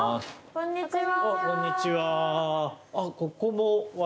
こんにちは。